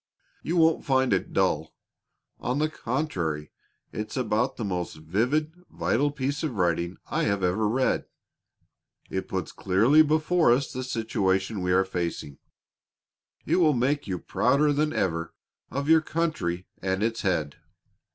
You won't find it dull. On the contrary it's about the most vivid, vital piece of writing I have ever read. It puts clearly before us the situation we are facing. It will make you prouder than ever of your country and its head."